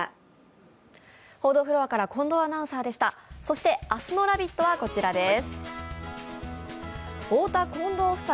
そして明日の「ラヴィット！」はこちらです。